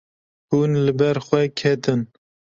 Hûn li ber xwe ketin.